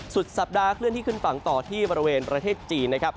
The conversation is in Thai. สุดสัปดาห์เคลื่อนที่ขึ้นฝั่งต่อที่บริเวณประเทศจีนนะครับ